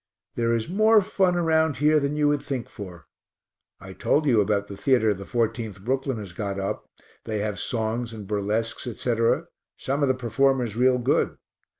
There is more fun around here than you would think for. I told you about the theatre the 14th Brooklyn has got up they have songs and burlesques, etc.; some of the performers real good.